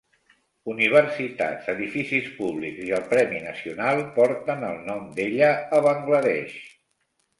Universitats, edificis públics i el premi nacional porten el nom d'ella a Bangladesh.